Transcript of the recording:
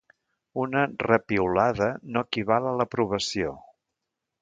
Una re-piulada no equival a l'aprovació.